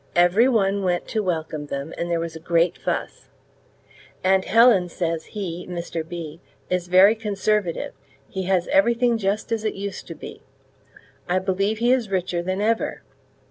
Every one went to welcome them, and there was a great fuss. Aunt Helen says he (Mr B.) is very conservative; he has everything just as it used to be. I believe he is richer than ever.